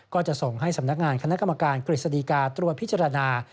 ก็จะส่งให้สำนักงานคณะกรรมการกฤษฎีกาตรวจพิจารณา